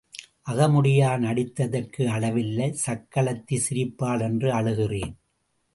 அகமுடையான் அடித்ததற்கு அழவில்லை சக்களத்தி சிரிப்பாள் என்று அழுகிறேன்.